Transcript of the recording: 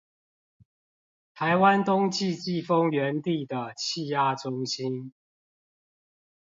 台灣冬季季風源地的氣壓中心